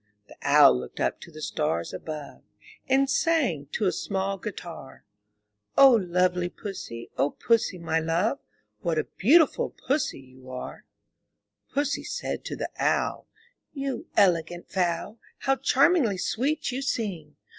The C)wl looked up to the stars above, And sang to a small guitar: 0 lovely Pussy, O Pussy, my love, What a beautiful Pussy you are!*' 412 UP ONE PAIR OF STAIRS Pussy said to the Owl, '*You elegant fowl, How charmingly sweet you sing!